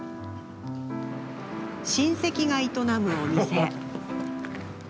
親戚が営むお店。